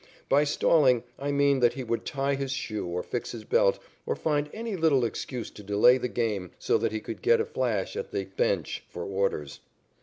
By stalling, I mean that he would tie his shoe or fix his belt, or find any little excuse to delay the game so that he could get a flash at the "bench" for orders.